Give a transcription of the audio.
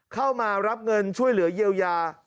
เข้ามารับเงินช่วยเหลือเยียวยา